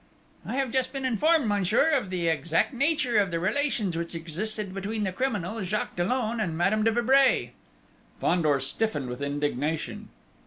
"I have just been informed, monsieur, of the exact nature of the relations which existed between the criminal, Jacques Dollon, and Madame de Vibray." Fandor stiffened with indignation.